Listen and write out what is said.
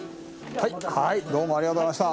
はいどうもありがとうございました。